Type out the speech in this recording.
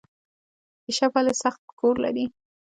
کیشپ ولې سخت کور لري؟